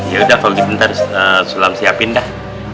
ya udah faldi bentar sulam siapin dah